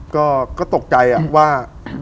ก็ตกใจว่า